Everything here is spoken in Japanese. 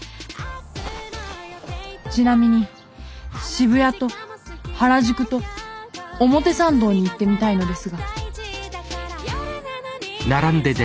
ちなみに渋谷と原宿と表参道に行ってみたいのですが。